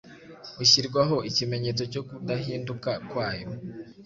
Ushyirwaho ikimenyetso cyo kudahinduka kwayo.